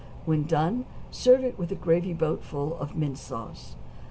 When done serve it with a gravy boat full of mint sauce.